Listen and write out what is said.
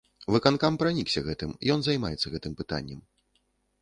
Выканкам пранікся гэтым, ён займаецца гэтым пытаннем.